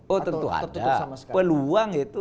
oh tentu peluang itu